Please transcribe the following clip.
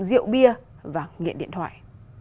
rượu bia và nghiện điện thoại